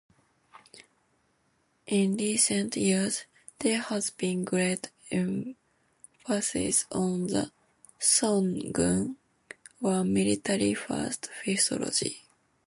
In recent years, there has been great emphasis on the "Songun" or "military-first" philosophy.